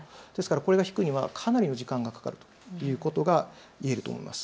これが引くにはかなりの時間がかかるということが言えると思います。